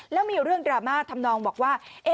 แล้วมีเรื่องดราม่าทำนองบอกว่า